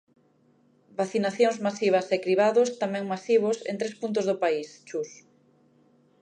Vacinacións masivas e cribados tamén masivos en tres puntos do país, Chus.